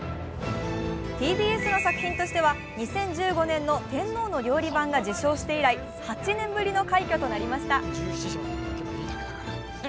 ＴＢＳの作品としては２０１５年の「天皇の料理番」が受賞して以来８年ぶりの快挙となりました。